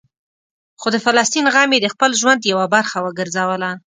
خو د فلسطین غم یې د خپل ژوند یوه برخه وګرځوله.